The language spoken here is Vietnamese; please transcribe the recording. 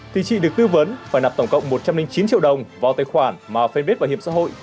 thì chỉ được tư vấn phải nặp tổng cộng một trăm linh chín triệu đồng vào tài khoản mà fanpage bảo hiểm xã hội cố gắng đưa ra